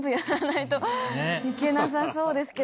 いけなさそうですけど。